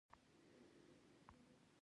ته اغېزناکه وينه کوې